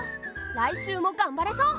来週も頑張れそう。